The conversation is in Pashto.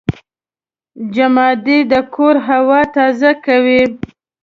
جمادې د کور هوا تازه کوي.